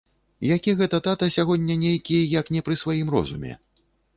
Які гэта тата сягоння нейкі, як не пры сваім розуме.